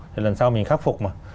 thì lần sau mình khắc phục mà